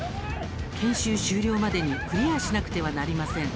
研修終了までにクリアしなくてはなりません。